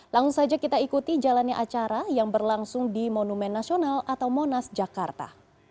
langsung saja kita ikuti jalannya acara yang berlangsung di monumen nasional atau monas jakarta